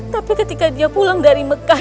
tapi ketika dia pulang dari mekah